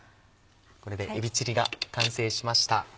これでえびチリが完成しました。